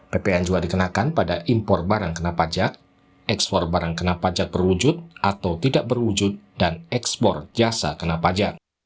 ppn juga dikenakan pada impor barang kena pajak ekspor barang kena pajak berwujud atau tidak berwujud dan ekspor jasa kena pajak